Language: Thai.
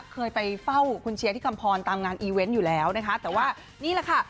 เคยไปเฝ้าคุณเชียร์ที่คำพรตามงานอีเวนต์อยู่แล้วนะคะแต่ว่านี่แหละค่ะ